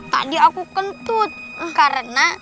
tadi aku kentut karena